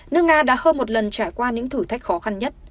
nước nga đã hơn một lần trải qua những thử thách khó khăn nhất